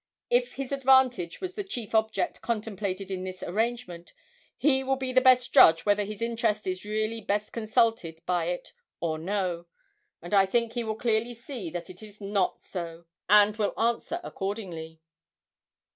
If his advantage was the chief object contemplated in this arrangement, he will be the best judge whether his interest is really best consulted by it or no; and I think he will clearly see that it is not so, and will answer accordingly.'